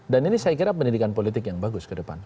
dan ini saya kira pendidikan politik yang bagus ke depan